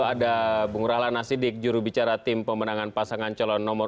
ada bung rahlan nasidik jurubicara tim pemenangan pasangan calon nomor dua